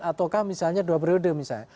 ataukah misalnya dua periode misalnya